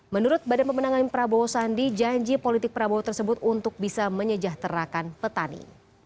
menurut badan pemenangan prabowo sandi janji politik prabowo tersebut untuk bisa menyejahterakan petani